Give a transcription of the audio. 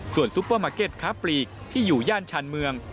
ส่วนซุปเปอร์มาร์เก็ตค้าปลีกที่อยู่ย่านชานเมือง